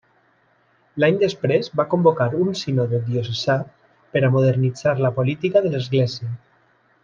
L'any després va convocar un sínode diocesà per a modernitzar la política de l'església.